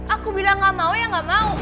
aku bilang gak mau ya nggak mau